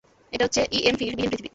এটা হচ্ছে EM field বিহীন পৃথিবী।